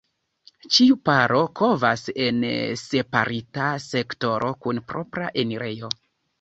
Ĉiu paro kovas en separita sektoro kun propra enirejo.